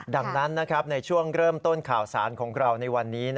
ดังนั้นในช่วงเริ่มต้นข่าวสารของเราในวันนี้